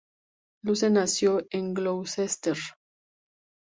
Luce nació en Gloucester.